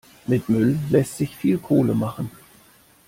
Mit Müll lässt sich viel Kohle machen.